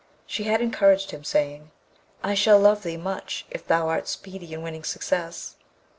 She had encouraged him, saying, 'I shall love thee much if thou art speedy in winning success.'